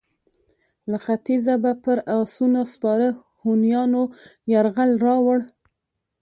له ختیځه به پر اسونو سپاره هونیانو یرغل راووړ.